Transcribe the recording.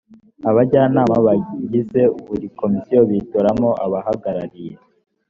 abajyanama bagize buri komisiyo bitoramo ababahagarariye